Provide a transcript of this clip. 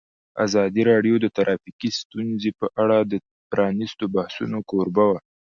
ازادي راډیو د ټرافیکي ستونزې په اړه د پرانیستو بحثونو کوربه وه.